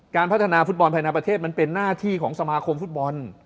พัฒนาฟุตบอลภายในประเทศมันเป็นหน้าที่ของสมาคมฟุตบอล